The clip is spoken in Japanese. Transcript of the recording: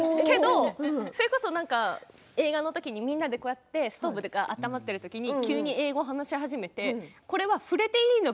それこそ映画の時にみんなでストーブで温まっている時に急に英語を話し始めてこれは触れていいのか。